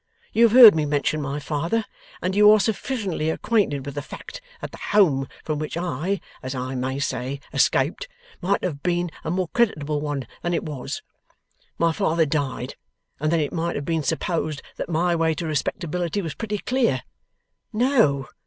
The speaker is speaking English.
You have heard me mention my father, and you are sufficiently acquainted with the fact that the home from which I, as I may say, escaped, might have been a more creditable one than it was. My father died, and then it might have been supposed that my way to respectability was pretty clear. No.